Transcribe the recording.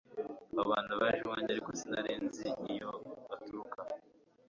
abo bantu baje iwanjye, ariko sinari nzi iyo baturuka